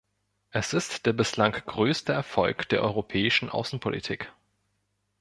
Es ist der bislang größte Erfolg der europäischen Außenpolitik.